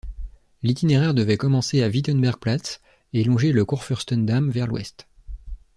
L'itinéraire devait commencer à Wittenbergplatz et longer le Kurfürstendamm vers l'ouest.